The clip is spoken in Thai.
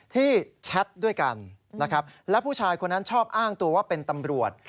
ที่แชตด้วยกันและผู้ชายพวกเขานั้นชอบอ้างตัวว่าเป็นถำรวจ